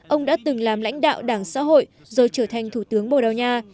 ông đã từng làm lãnh đạo đảng xã hội rồi trở thành thủ tướng bồ đào nha